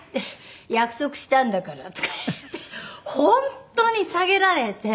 約束したんだから」とか言って本当に下げられて。